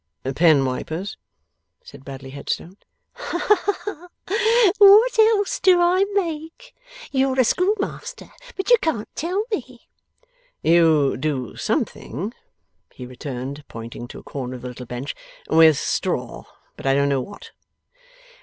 'Pen wipers,' said Bradley Headstone. 'Ha! ha! What else do I make? You're a schoolmaster, but you can't tell me.' 'You do something,' he returned, pointing to a corner of the little bench, 'with straw; but I don't know what.